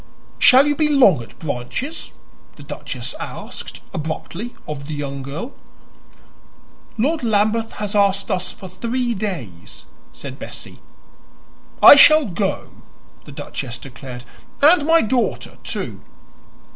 "Shall you be long at Branches?" the duchess asked, abruptly, of the young girl. "Lord Lambeth has asked us for three days," said Bessie. "I shall go," the duchess declared, "and my daughter, too."